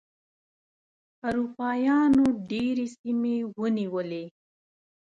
اروپایانو ډېرې سیمې ونیولې.